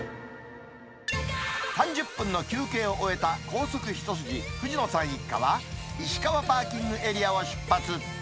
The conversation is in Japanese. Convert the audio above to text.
３０分の休憩を終えた高速一筋藤野さん一家は、石川パーキングエリアを出発。